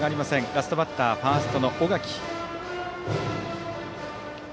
ラストバッターファーストの小垣。